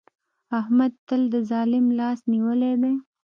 احمد تل د ظالم لاس نيولی دی.